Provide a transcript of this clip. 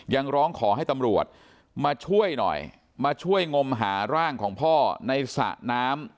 ยังร้องขอให้ตำรวจมาช่วยหน่อยมาช่วยงมหาร่างของพ่อในสระน้ำ